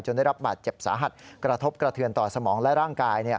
ได้รับบาดเจ็บสาหัสกระทบกระเทือนต่อสมองและร่างกาย